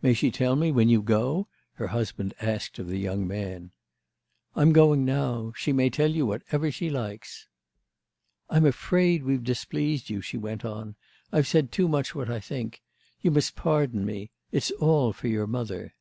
"May she tell me when you go?" her husband asked of the young man. "I'm going now—she may tell you whatever she likes." "I'm afraid we've displeased you," she went on; "I've said too much what I think. You must pardon me—it's all for your mother."